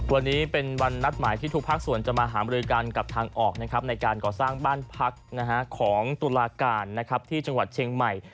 วันนี้เป็นวันนัดหมายที่ทุกภาคส่วนจะมาหามรือกันกับทางออกในการก่อสร้างบ้านพักของตุลาการที่จังหวัดเชียงใหม่